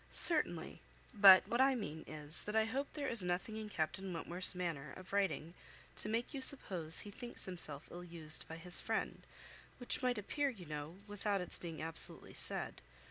"Certainly. But what I mean is, that I hope there is nothing in Captain Wentworth's manner of writing to make you suppose he thinks himself ill used by his friend, which might appear, you know, without its being absolutely said.